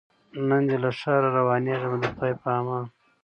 نن دي له ښاره روانېږمه د خدای په امان